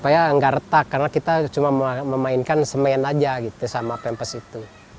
supaya nggak retak karena kita cuma memainkan semen aja gitu sama pempes itu